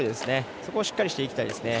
そこをしっかりしていきたいですね。